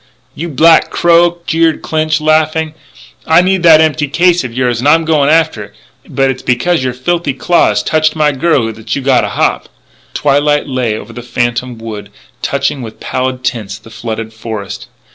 "You black crow!" jeered Clinch, laughing, " I need that empty case of yours. And I'm going after it.... But it's because your filthy claw touched my girlie that you gotta hop!" Twilight lay over the phantom wood, touching with pallid tints the flooded forest.